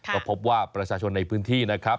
ก็พบว่าประชาชนในพื้นที่นะครับ